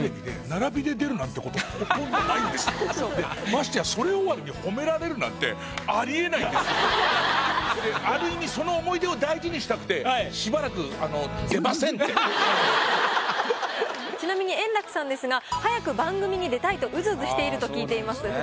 ましてやそれ終わりにである意味その思い出を大事にしたくてちなみに円楽さんですが「早く番組に出たい！」とうずうずしていると聞いています。